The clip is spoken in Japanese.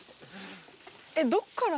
えっどっからの？